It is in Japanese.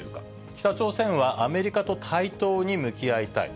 北朝鮮はアメリカと対等に向き合いたい。